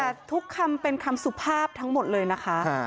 แต่ทุกคำเป็นคำสุภาพทั้งหมดเลยนะคะ